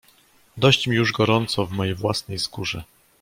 "Dość mi już gorąco w mojej własnej skórze."